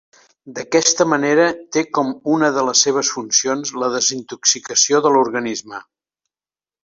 D'aquesta manera té com una de les seves funcions la desintoxicació de l'organisme.